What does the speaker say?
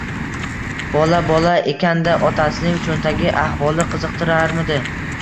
Bola – bola ekan-da. Otasining cho‘ntagi, ahvoli qiziqtirarmidi?